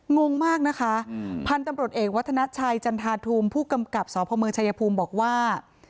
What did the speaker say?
งงมากนะคะท่านต้นบริโชคเอกวัฒณชัยจันทาทุมผู้กำกับสอบภาพเมืองชายภูมิบอกว่า